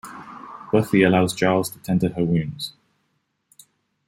Buffy allows Giles to tend her wounds.